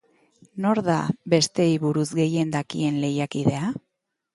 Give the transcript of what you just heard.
Nor da besteei buruz gehien dakien lehiakidea?